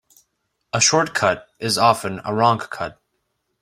A short cut is often a wrong cut.